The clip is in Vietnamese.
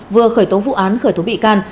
vừa khởi tố vụ án khởi tố bị can